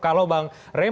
kalau bang reim